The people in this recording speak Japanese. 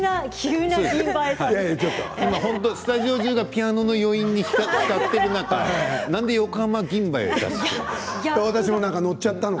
今スタジオじゅうが、ピアノの余韻に浸っている中なんで横浜銀蝿出したの？